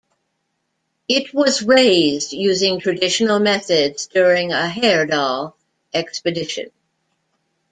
It was raised using traditional methods during a Heyerdahl expedition.